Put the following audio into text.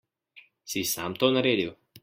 Si sam to naredil?